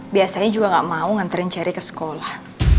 biasanya juga gak mau nganterin ceri ke sekolah